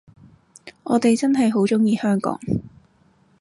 我哋真係好鍾意香港